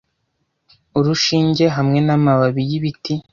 urushinge hamwe namababi yibiti